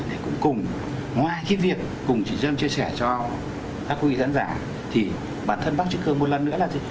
để cùng cùng ngoài cái việc cùng chị lâm chia sẻ cho các quý gián giả thì bản thân bác chức cơ một lần nữa là gì